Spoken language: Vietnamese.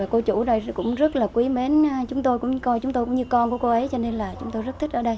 cô chủ ở đây cũng rất là quý mến chúng tôi cũng như con của cô ấy cho nên là chúng tôi rất thích ở đây